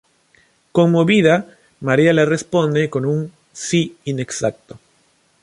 Conmovida, María le responde con un si inexacto.